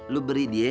lu beri dia